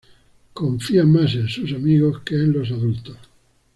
Confía más en sus amigos que en los adultos.